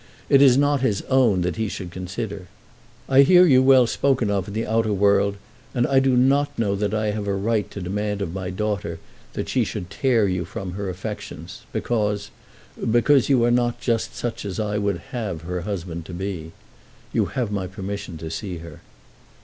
It is not his own that he should consider. I hear you well spoken of in the outer world, and I do not know that I have a right to demand of my daughter that she should tear you from her affections, because because you are not just such as I would have her husband to be. You have my permission to see her."